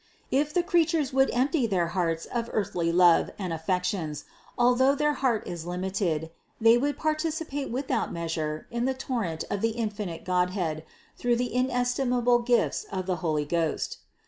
If the creatures would empty their hearts of earthly love and affections, although their heart is limited, they would participate without measure in the torrent of the infinite Godhead THE CONCEPTION 473 through the inestimable gifts of the Holy Ghost.